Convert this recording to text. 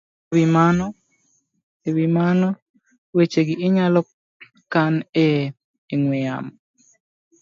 E wi mano, wechegi inyalo kan e ong'we yamo